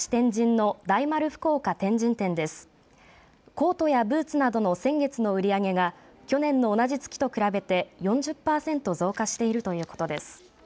コートやブーツなどの先月の売り上げが去年の同じ月と比べて４０パーセント増加しているということです。